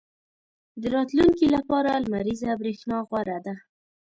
• د راتلونکي لپاره لمریزه برېښنا غوره ده.